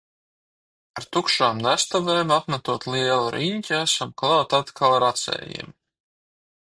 Ar tukšām nestuvēm apmetot lielu riņķi esam klāt atkal racējiem.